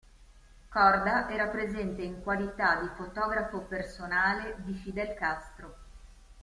Korda era presente in qualità di fotografo personale di Fidel Castro.